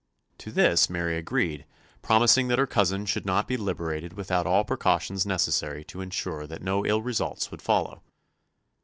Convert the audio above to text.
To this Mary agreed, promising that her cousin should not be liberated without all precautions necessary to ensure that no ill results would follow.